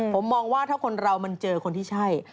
ผมมองว่าถ้าคนเรามันเจอคนที่ใช่